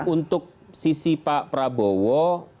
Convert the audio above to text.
untuk sisi pak prabowo